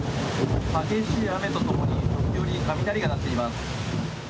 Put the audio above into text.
激しい雨とともに時折、雷が鳴っています。